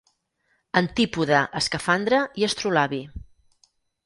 Antípoda, Escafandre i Astrolabi.